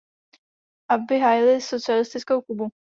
Aby hájily socialistickou Kubu.